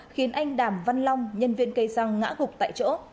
khiến anh đàm văn long nhân viên cây xăng ngã gục tại chỗ